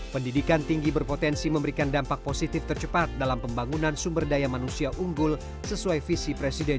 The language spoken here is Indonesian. pendidikan tinggi berpotensi memberikan dampak positif tercepat dalam pembangunan sumber daya manusia unggul sesuai visi presiden